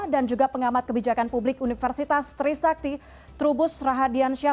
dan juga pengamat kebijakan publik universitas trisakti trubus rahadian syah